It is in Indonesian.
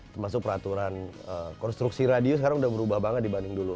termasuk peraturan konstruksi radio sekarang udah berubah banget dibanding dulu